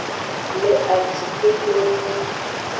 Le acikexwlexu.